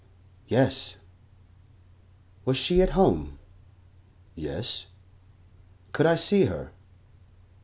Yes. Was she at home? Yes. Could I see her?